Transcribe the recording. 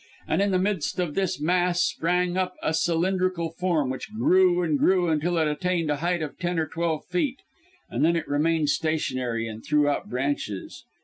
And in the midst of this mass sprang up a cylindrical form, which grew and grew until it attained a height of ten or twelve feet, when it remained stationary and threw out branches.